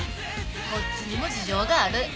こっちにも事情がある。